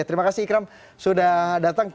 terima kasih ikram sudah datang